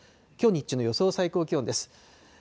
きょう日中の予想最高気温です。